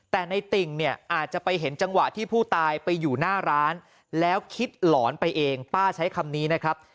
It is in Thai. แต่ในติ่งเนี่ยอาจจะไปเห็นจังหวะที่ผู้ตายไปอยู่หน้าร้านแล้วคิดหลอนไปเองป้าใช้คำนี้นะครับ